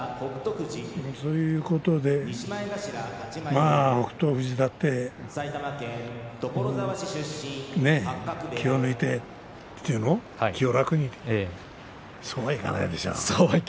そういうことで、北勝富士だって気を抜いて、気を楽にそうはいかないでしょう。